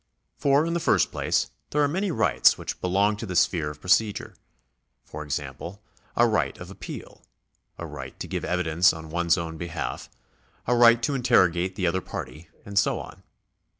For in the first place there are many rights which belong to the sphere of procedure ; for example, a right of appeal, a right to give evidence on one's own behalf, a right to interrogate the other party, and so on.